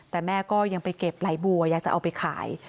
แต่แม่ก็ยังไปเก็บไหลบัวอยากจะเอาไปขาย